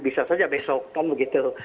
bisa saja besok gitu